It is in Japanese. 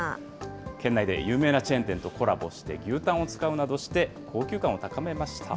県内で有名なチェーン店とコラボして、牛タンを使うなどして高級感を高めました。